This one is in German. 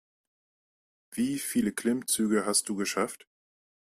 Wie viele Klimmzüge hast du geschafft?